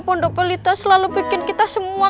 pondok polito selalu bikin kita semua